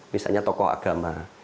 misalnya tokoh agama